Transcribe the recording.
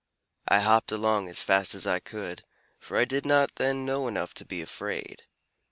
I hopped along as fast as I could, for I did not then know enough to be afraid.